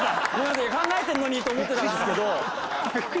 考えてるのにと思ってたんですけど。